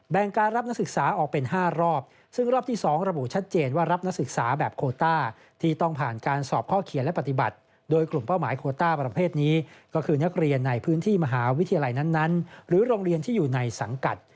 การรับนักศึกษาออกเป็น๕รอบซึ่งรอบที่๒ระบุชัดเจนว่ารับนักศึกษาแบบโคต้าที่ต้องผ่านการสอบข้อเขียนและปฏิบัติโดยกลุ่มเป้าหมายโคต้าประเภทนี้ก็คือนักเรียนในพื้นที่มหาวิทยาลัยนั้นหรือโรงเรียนที่อยู่ในสังกัด